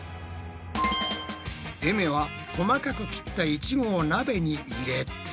えめは細かく切ったイチゴを鍋に入れて。